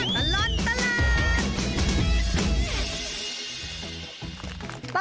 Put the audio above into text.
ชั่วตลอดตลาด